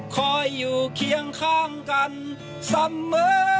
คอยอยู่เคียงข้างกันเสมอ